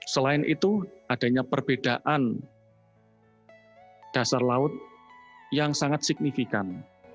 selain itu adanya perbedaan dasar laut yang sangat signifikan